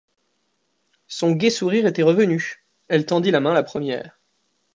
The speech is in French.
Son gai sourire était revenu, elle tendit la main la première.